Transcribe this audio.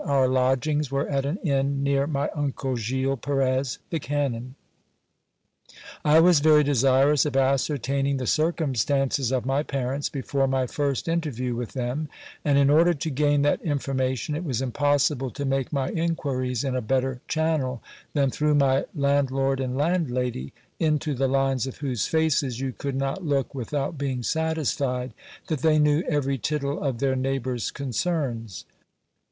Our lodgings were at an inn near my uncle, Gil Perez, the canon. I was very desirous of ascertaining the cir cumstances of my parents before my first interview with them ; and, in order to gain that information, it was impossible to make my inquiries in a better channel than through my landlord and landlady, into the lines of whose faces you could not look without being satisfied that they knew every tittle of their neighbours' concerns.